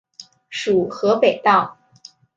属河北道。